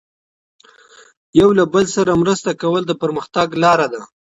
یو له بل سره مرسته کول د پرمختګ لاره ده.